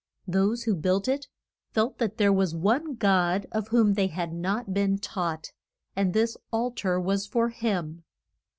Those who built it felt that there was one God of whom they had not been taught, and this al tar was for him.